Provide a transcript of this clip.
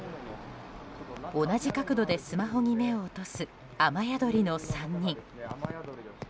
同じ角度でスマホに目を落とす雨宿りの３人。